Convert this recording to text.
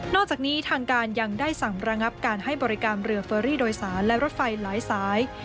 อกจากนี้ทางการยังได้สั่งระงับการให้บริการเรือเฟอรี่โดยสารและรถไฟหลายสาย